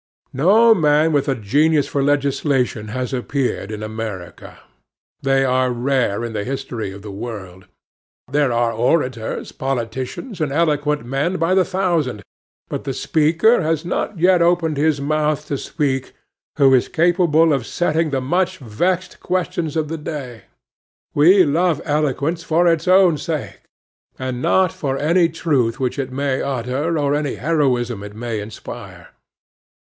No man with a genius for legislation has appeared in America. They are rare in the history of the world. There are orators, politicians, and eloquent men, by the thousand; but the speaker has not yet opened his mouth to speak who is capable of settling the much vexed questions of the day. We love eloquence for its own sake, and not for any truth which it may utter, or any heroism it may inspire.